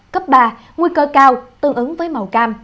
cấp ba nguy cơ cao tương ứng với màu cam